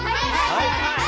はい！